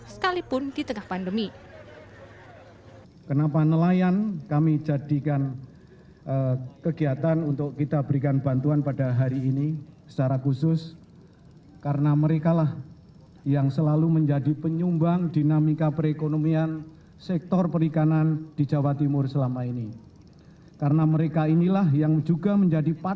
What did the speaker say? sekalipun di tengah pandemi